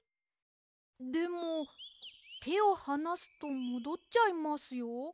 でもてをはなすともどっちゃいますよ。え？